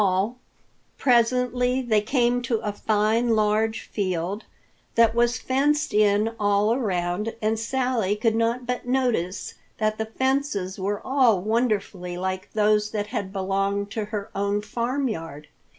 Presently they came to a fine, large field that was fenced in all around, and Sally could not but notice that the fences were all wonderfully like those that had belonged to her own farmyard.